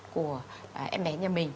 của em bé nhà mình